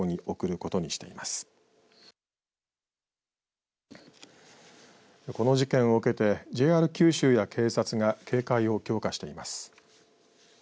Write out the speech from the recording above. この事件を受けてＪＲ九州や警察が警戒を強化しています。